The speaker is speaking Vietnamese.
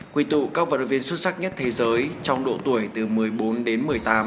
quy tụ các vận động viên xuất sắc nhất thế giới trong độ tuổi từ một mươi bốn đến một mươi tám